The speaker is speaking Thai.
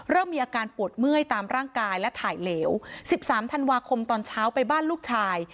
เริ่มมีอาการปวดเมื่อยตามร่างกายและถ่ายเหลว๑๓ธันวาคมตอนเช้าไปบ้านลูกชาย